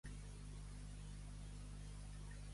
Per Sant Andreu, ix a la porta que veuràs neu.